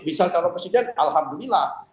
bisa calon presiden alhamdulillah